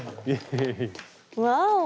ワオ！